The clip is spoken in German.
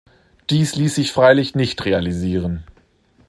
Dies ließ sich freilich nicht realisieren.